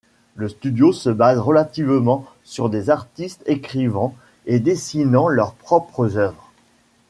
Le studio se base relativement sur des artistes écrivant et dessinant leur propre œuvres.